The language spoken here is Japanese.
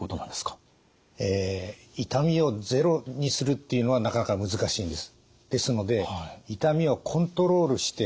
え痛みをゼロにするっていうのはなかなか難しいんです。